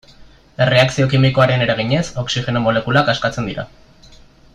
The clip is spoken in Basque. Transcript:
Erreakzio kimikoaren eraginez, oxigeno molekulak askatzen dira.